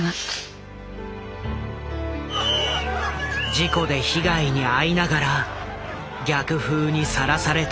事故で被害に遭いながら逆風にさらされた人々。